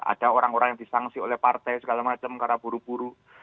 ada orang orang yang disangsi oleh partai segala macam karena buru buru